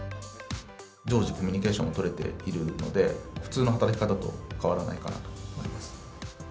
常時コミュニケーションが取れているので、普通の働き方と変わらないかなと思います。